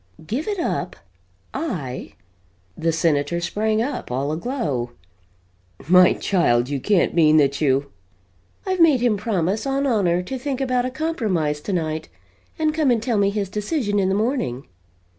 "Give it up! I!" The Senator sprang up, all aglow: "My child, you can't mean that you " "I've made him promise on honor to think about a compromise tonight and come and tell me his decision in the morning."